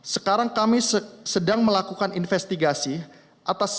sekarang kami sedang melakukan investigasi atas semua aplikasi yang dilakukan